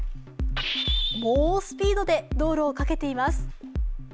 猛スピードで道路をかけています。